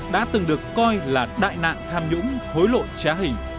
đã từng được coi là đại nạn tham nhũng hối lộ trá hình